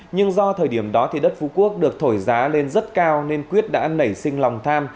nhưng do thời điểm đó thì đất phú quốc được thổi giá lên rất cao nên quyết đã nảy sinh lòng tham